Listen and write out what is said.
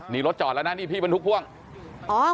เดี๋ยวฟังเขาหน่อยตอนที่คุยกับเรานะฮะ